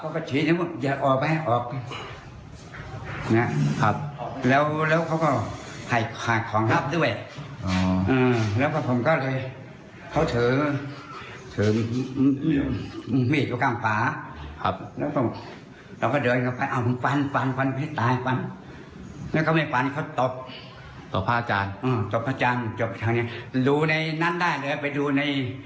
เขาก็จะบอกว่าอยากออกไหมออกไปแล้วเขาก็หากองรับด้วย